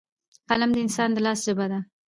قلم د انسان د لاس ژبه ده.